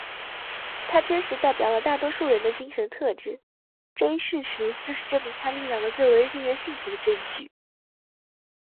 他真实代表了大多数人的精神特质这一事实就是证明他力量的最为令人信服的证据。